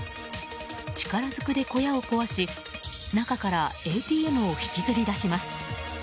力ずくで小屋を壊し中からＡＴＭを引きずり出します。